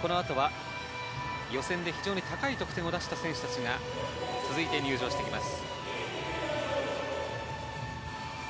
この後は予選で非常に高い得点を出した選手たちが続いて入場してきます。